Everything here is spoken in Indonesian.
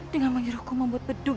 dengan mengiruku membuat beduk